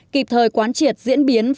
kịp thời quán triệt diễn biến